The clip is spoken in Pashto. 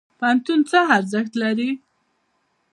پوهنتون څه ارزښت لري؟